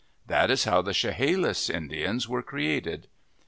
That is how the Chehalis Indians were created.